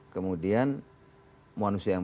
kemudian manusia yang